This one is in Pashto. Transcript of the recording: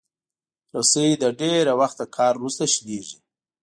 رسۍ له ډېر وخت کار وروسته شلېږي.